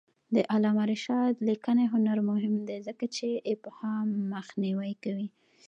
د علامه رشاد لیکنی هنر مهم دی ځکه چې ابهام مخنیوی کوي.